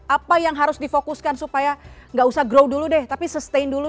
apa yang harus difokuskan supaya nggak usah grow dulu deh tapi sustain dulu